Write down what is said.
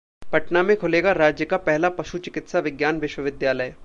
पटना में खुलेगा राज्य का पहला पशु चिकित्सा विज्ञान विश्वविद्यालय